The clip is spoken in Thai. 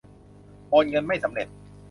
โอนเงินไม่สำเร็จ